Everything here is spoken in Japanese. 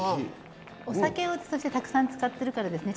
お酒をたくさん使ってるからですね